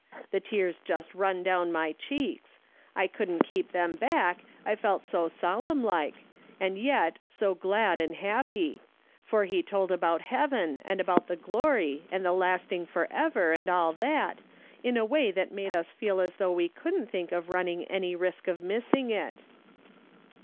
The tears just run down my cheeks ; I couldn't keep them back, I felt so solemn like, and yet so glad and happy ; for he told about heaven, and about the glory, and the lasting for ever, and all that, in a way that made us feel as though we couldn't think of running any risk of missing it.